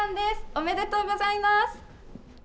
おめでとうございます。